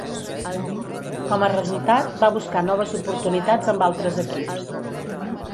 Com a resultat, va buscar noves oportunitats amb altres equips.